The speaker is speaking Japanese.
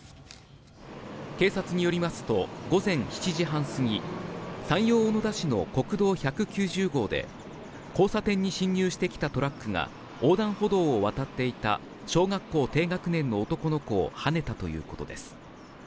警察によりますと午前７時半過ぎ山陽小野田市の国道１９０号で交差点に進入してきたトラックが横断歩道を渡っていた小学校低学年の男の子をはねたということです。